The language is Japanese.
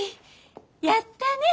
やったね！